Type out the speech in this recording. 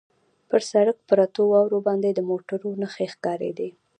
پر سړک پرتو واورو باندې د موټرو نښې ښکارېدې.